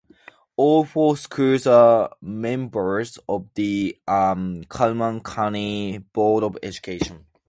All four schools are members of the Cullman County Board of Education.